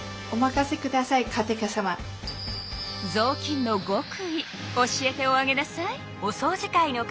ぞうきんのごくい教えておあげなさい。